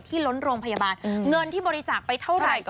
ล้นโรงพยาบาลเงินที่บริจาคไปเท่าไหร่